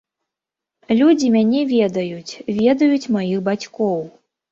Людзі мяне ведаюць, ведаюць маіх бацькоў.